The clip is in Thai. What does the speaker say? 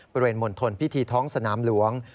บริเวณมณฑลพิธีท้องสนามหลวง